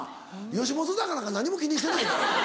吉本坂なんか何も気にしてないから。